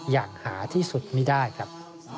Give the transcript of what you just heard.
อย่างหาที่สุดไม่ได้ครับ